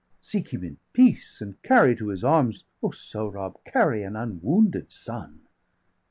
75 Seek him in peace, and carry to his arms, O Sohrab, carry an unwounded son!